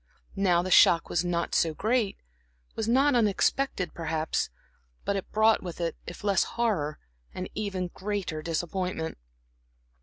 Now the shock was not so great, was not unexpected, perhaps; but it brought with it, if less horror, an even greater disappointment.